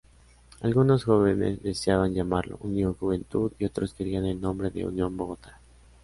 Algunos jóvenes deseaban llamarlo "Unión Juventud" y otros querían el nombre de "Unión Bogotá".